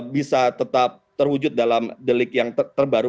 bisa tetap terwujud dalam delik yang terbaru